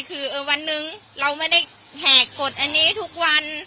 คือวันหนึ่งเราไม่ได้แหกกดอันนี้ทุกวัน